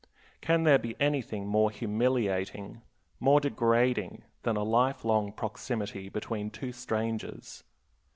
Can there be anything more humiliating, more degrading than a life long proximity between two strangers?